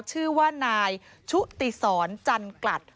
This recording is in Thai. ชื่อว่านายชุติศรจันกลัด